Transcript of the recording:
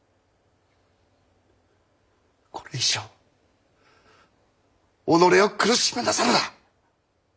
これ以上己を苦しめなさるな。